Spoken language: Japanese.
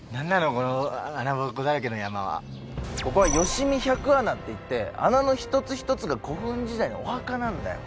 この穴ぼこだらけの山はここは吉見百穴っていって穴の一つ一つが古墳時代のお墓なんだよ